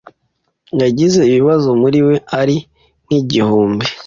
yagize ibibazo muri we ari nk’igihumbi